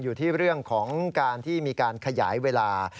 อยู่ที่เรื่องของการที่มีการขยายเวลา